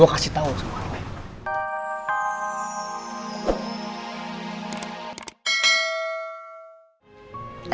gue kasih tau sama rizky